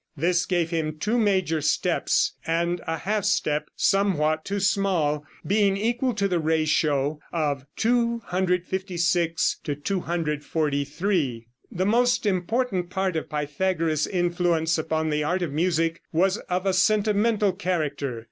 This gave him two major steps, and a half step somewhat too small, being equal to the ratio of 256:243. The most important part of Pythagoras' influence upon the art of music was of a sentimental character.